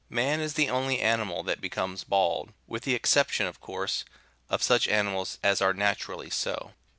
Man is the only animal that becomes bald, with the exception, of course, of such animals as are naturally so.